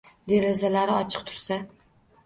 Derazalari ochiq tursa